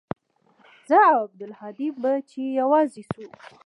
زه او عبدالهادي به چې يوازې سو.